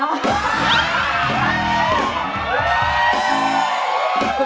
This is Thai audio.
เป็นคนไรรึหรือ